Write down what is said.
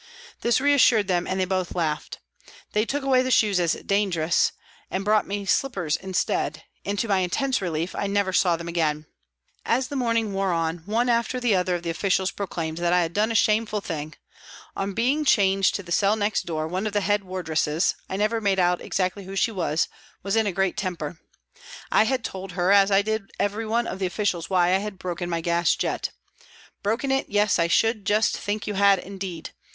This reassured them and they both laughed. They took away the shoes as " dangerous," and brought me slippers instead, and, to my intense relief, I never saw them again. As the morning wore on, one 272 PRISONS AND PRISONERS after the other of the officials proclaimed that I had done a shameful thing. On being changed to the cell next door, one of the head wardresses I never made out exactly who she was was in a great temper. I had told her, as I did every one of the officials, why I had broken my gas jet. " Broken it, yes, I should just think you had, indeed.